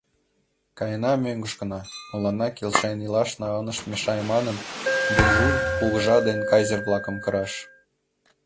Каена мӧҥгышкына, мыланна келшен илашна ынышт мешае манын, буржуй, кугыжа ден кайзер-влакым кыраш.